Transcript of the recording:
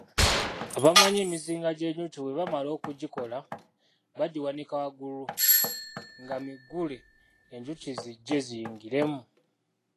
Abamanyi emizinga gy’enjuki bwe bamala okugikola bagiwanika waggulu nga miggule enjuki zijje ziyingiremu.